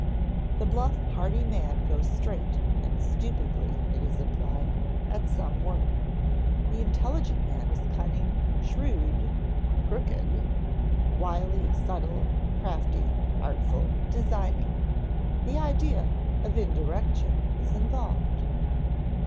The bluff, hearty man goes straight (and stupidly, it is implied) at some work. The intelligent man is cunning, shrewd (crooked), wily, subtle, crafty, artful, designing the idea of indirection is involved.